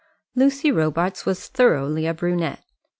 Lucy Robarts was thoroughly a brunette.